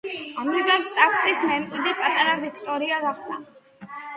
ამრიგად, ტახტის მემკვიდრე პატარა ვიქტორია გახდა.